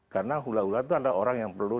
karena hula hula itu adalah orang yang perlu